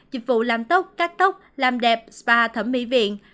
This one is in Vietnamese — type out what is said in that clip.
dịch vụ làm tốc cắt tóc làm đẹp spa thẩm mỹ viện